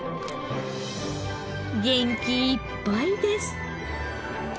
元気いっぱいです。